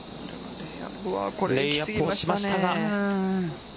レイアップをしましたが。